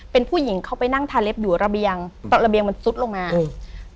เป็นผู้หญิงเขาไปนั่งทาเล็บอยู่ระเบียงตอนระเบียงมันซุดลงมาอืม